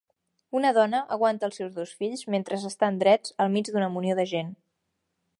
una dona aguanta els seus dos fills mentre s'estan drets al mig d'una munió de gent.